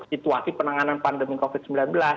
situasi penanganan pandemi covid sembilan belas